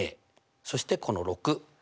そしてこの６。